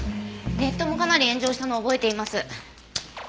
ネットもかなり炎上したのを覚えています。